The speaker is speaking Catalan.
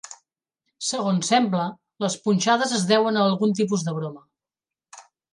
Segons sembla, les punxades es deuen a algun tipus de broma.